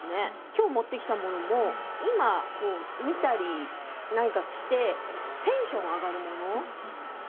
今日持ってきたものも今見たりなんかしてテンションが上がるものなので。